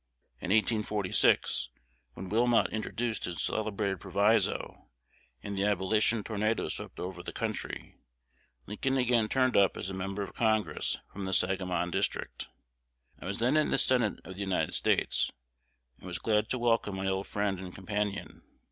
In 1846, when Wilmot introduced his celebrated proviso, and the abolition tornado swept over the country, Lincoln again turned up as a member of Congress from the Sangamon district. I was then in the Senate of the United States, and was glad to welcome my old friend and companion.